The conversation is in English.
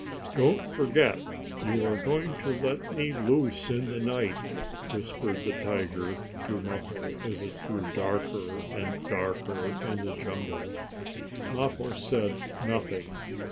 "Don't forget, you are going to let me loose in the night," whispered the tiger to Mappo, as it grew darker and darker in the jungle. Mappo said nothing.